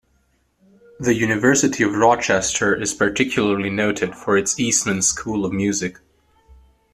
The University of Rochester is particularly noted for its Eastman School of Music.